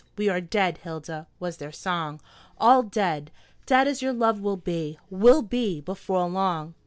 "We are dead, Hilda," was their song; "all dead! dead as your love will be will be before long."